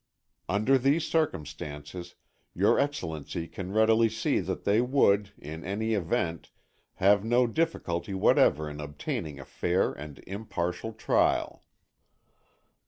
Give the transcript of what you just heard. Under these circumstances, your Excellency can readily see that they would, in any event, have no difficulty whatever in obtaining a fair and impartial trial.